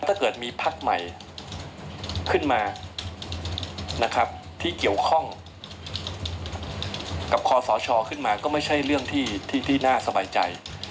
ถ้าเกิดมีพักใหม่ขึ้นมานะครับที่เกี่ยวข้องกับคอสชขึ้นมาก็ไม่ใช่เรื่องที่น่าสบายใจ